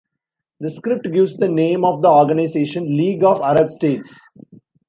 The script gives the name of the organization: "League of Arab States".